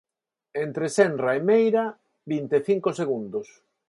Entre Senra e Meira, vinte e cinco segundos.